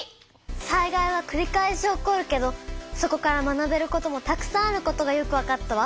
災害はくり返し起こるけどそこから学べることもたくさんあることがよくわかったわ！